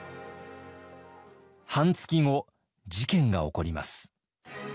半月後事件が起こります。